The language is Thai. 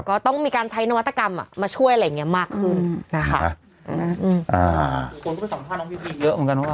ก็ต้องมีการใช้นวัตกรรมอะมาช่วยอะไรอย่างเงี้ยมากขึ้นนะฮะ